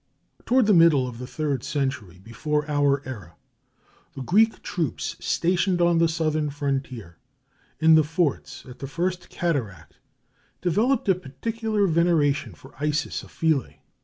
Toward the middle of the third century before our era the Greek troops stationed on the southern frontier, in the forts at the first cataract, developed a particular veneration for Isis of Philæ.